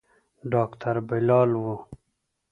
ډاکتر بلال و.